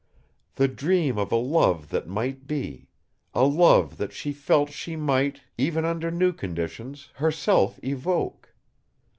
The dream of a love that might be; a love that she felt she might, even under new conditions, herself evoke.